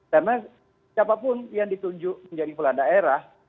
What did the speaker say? karena siapapun yang ditunjuk menjadi peladaerah